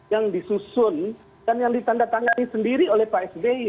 yang disusun dan yang ditandatangani sendiri oleh pak sby